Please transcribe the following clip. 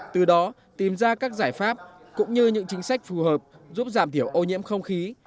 từ đó tìm ra các giải pháp cũng như những chính sách phù hợp giúp giảm thiểu ô nhiễm không khí